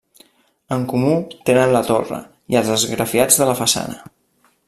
En comú tenen la torre, i els esgrafiats de la façana.